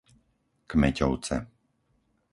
Kmeťovce